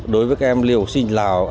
đối với các em liều sinh lào